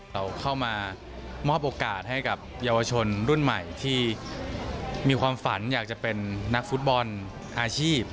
เราเข้ามามอบโอกาสให้กับเยาวชนรุ่นใหม่ที่มีความฝันอยากจะเป็นนักฟุตบอลอาชีพ